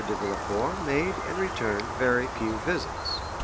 de Villefort made and returned very few visits.